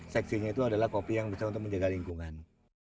seksinya itu adalah kopi yang bisa untuk menjaga lingkungan